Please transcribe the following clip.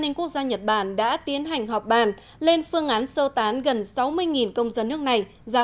ninh quốc gia nhật bản đã tiến hành họp bàn lên phương án sơ tán gần sáu mươi công dân nước này ra